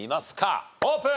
オープン！